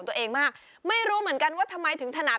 น้องเขามือยาวเนา